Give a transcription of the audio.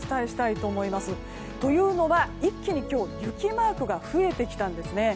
というのは、一気に今日雪マークが増えてきたんですね。